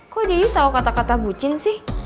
kok dedy tau kata kata bucin sih